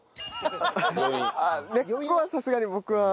根っこはさすがに僕は。